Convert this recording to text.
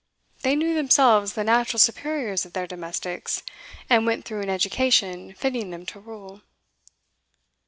They knew themselves the natural superiors of their domestics, and went through an education fitting them to rule.